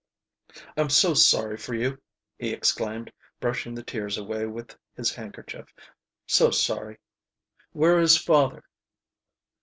"I'm so sorry for you!" he exclaimed, brushing the tears away with his handkerchief. "So sorry. Where is father?"